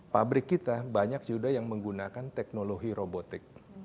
pabrik kita banyak juga yang menggunakan teknologi robotik